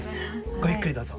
ごゆっくりどうぞ。